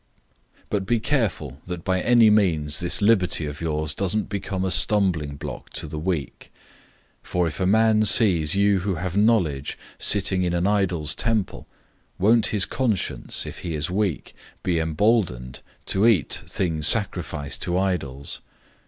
008:009 But be careful that by no means does this liberty of yours become a stumbling block to the weak. 008:010 For if a man sees you who have knowledge sitting in an idol's temple, won't his conscience, if he is weak, be emboldened to eat things sacrificed to idols?